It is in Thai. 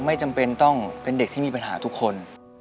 ไม่จำเป็นต้องเป็นเด็กที่มีปัญหาทุกคน